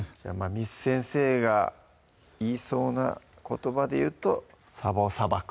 簾先生が言いそうな言葉で言うと「さばをさばく」